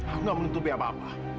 aku gak menutupi apa apa